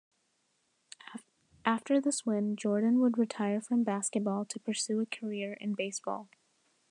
After this win, Jordan would retire from basketball to pursue a career in baseball.